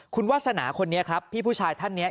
คุณวาสนาคนนี้ครับพี่ผู้ชายท่านนี้